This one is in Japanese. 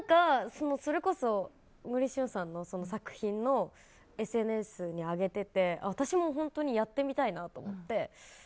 それこそ、小栗旬さんの作品のＳＮＳに上げていて私もやってみたいなと思って。